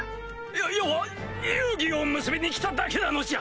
よ余は友誼を結びに来ただけなのじゃ！